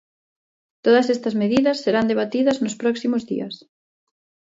Todas estas medidas serán debatidas nos próximos días.